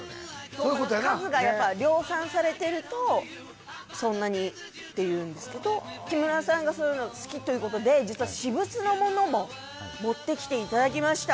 そういうことやな数がやっぱ量産されてるとそんなにっていうんですけど木村さんがそういうの好きということで実は私物のものも持ってきていただきました